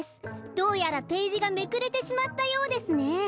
どうやらページがめくれてしまったようですね。